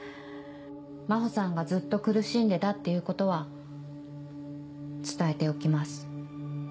真帆さんがずっと苦しんでたっていうことは伝えておきます。